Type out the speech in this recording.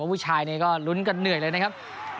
ผู้ชายนี้ก็ลุ้นกันเหนื่อยเลยนะครับ